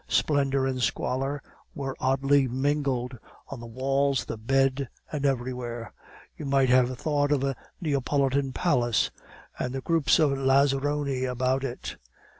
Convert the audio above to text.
Splendor and squalor were oddly mingled, on the walls, the bed, and everywhere. You might have thought of a Neapolitan palace and the groups of lazzaroni about it.